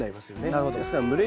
なるほど。